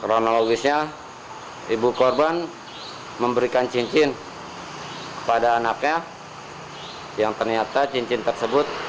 kronologisnya ibu korban memberikan cincin pada anaknya yang ternyata cincin tersebut